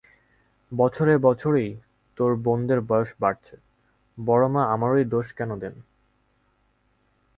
বছরে বছরেই তোর বোনদের বয়স বাড়ছে, বড়োমা আমারই দোষ দেন কেন?